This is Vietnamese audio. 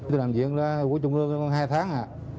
tôi làm việc ở quốc trung ương còn hai tháng à